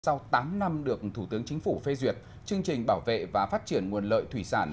sau tám năm được thủ tướng chính phủ phê duyệt chương trình bảo vệ và phát triển nguồn lợi thủy sản